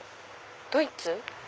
ドイツ？